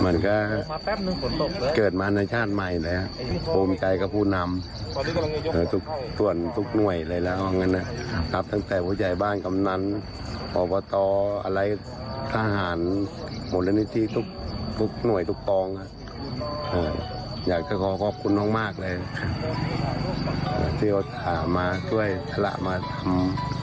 อยากจะขอขอบคุณน้องมากเลยที่ธามาจช่วยธรรมน์มาทำ